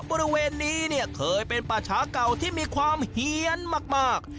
บริเวณนี้เนี่ยเคยเป็นป่าช้าเก่าที่มีความเฮียนมาก